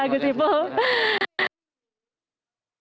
pasti tidak bisa sebesar yang menyalahkan